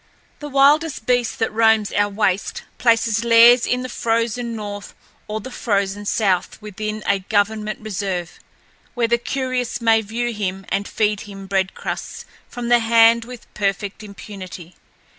The wildest beast that roams our waste places lairs in the frozen north or the frozen south within a government reserve, where the curious may view him and feed him bread crusts from the hand with perfect impunity.